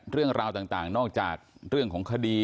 เรื่องราวต่างนอกจากเรื่องของคดี